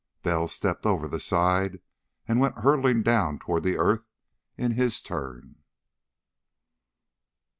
Bell stepped over the side and went hurtling down toward the earth in his turn.